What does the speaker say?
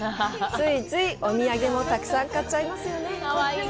ついついお土産もたくさん買っちゃいますよね。